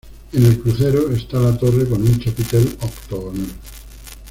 En el crucero, está la torre con un chapitel octogonal.